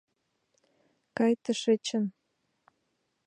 Кай тышечын.